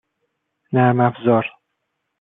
نرمافزار